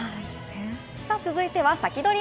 続いてはサキドリ！